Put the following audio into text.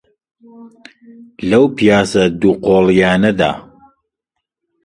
لەو پیاسە دووقۆڵییانەدا،